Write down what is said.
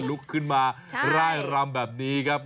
ลุกขึ้นมาร่ายรำแบบนี้ครับ